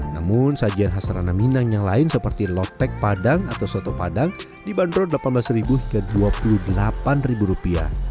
namun sajian khas ranah minang yang lain seperti lotek padang atau soto padang dibanderol rp delapan belas hingga rp dua puluh delapan